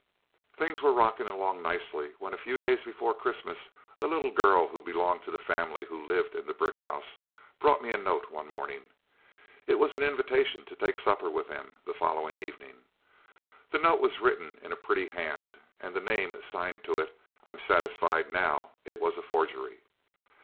"Things were rocking along nicely, when a few days before Christmas a little girl who belonged to the family who lived in the brick house brought me a note one morning. It was an invitation to take supper with them the following evening. The note was written in a pretty hand, and the name signed to it I'm satisfied now it was a forgery.